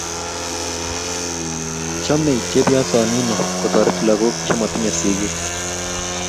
Chomei chepyosoo nino kotoret lakok che moyinye sikiik.